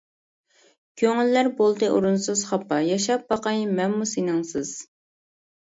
كۆڭۈللەر بولدى ئورۇنسىز خاپا، ياشاپ باقاي مەنمۇ سېنىڭسىز.